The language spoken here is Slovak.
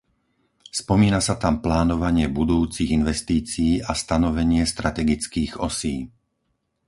Spomína sa tam plánovanie budúcich investícií a stanovenie strategických osí.